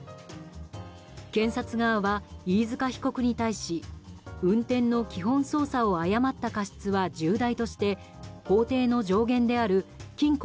検察側は飯塚被告に対し運転の基本操作を誤った過失は重大として法廷の上限である禁錮